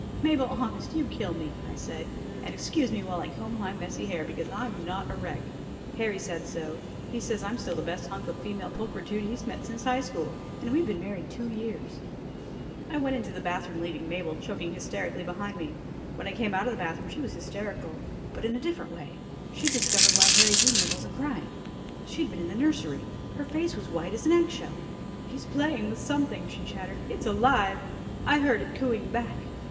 "Mabel, honest, you kill me," I said, "and excuse me while I comb my messy hair because I'm not a wreck. Harry said so. He says I'm still the best hunk of female pulchritude he's met since high school and we've been married two years!" I went into the bathroom leaving Mabel choking hysterically behind me. When I came out of the bathroom, she was hysterical but in a different way. She'd discovered why Harry, Jr., wasn't crying. She'd been in the nursery. Her face was white as an egg shell. "He's playing with something," she chattered. "It's alive. I heard it cooing back."